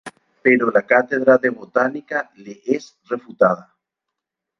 Pero la cátedra de botánica le es refutada.